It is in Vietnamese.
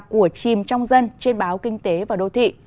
của chìm trong dân trên báo kinh tế và đô thị